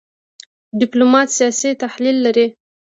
ډيپلومات سیاسي تحلیل لري .